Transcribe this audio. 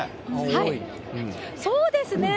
そうですね。